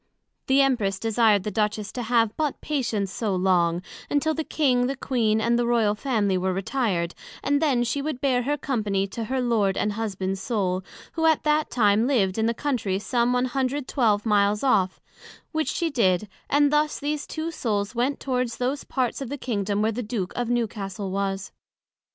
The Empress desired the Duchess to have but patience so long, until the King, the Queen, and the Royal Family were retired, and then she would bear her Company to her Lord and Husband's Soul, who at that time lived in the Country some 112 miles off; which she did: and thus these two souls went towards those parts of the Kingdom where the Duke of Newcastle was.